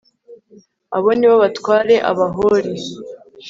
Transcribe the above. Abo ni bo batware Abahori